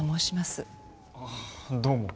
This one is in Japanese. ああどうも。